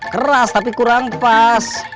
keras tapi kurang pas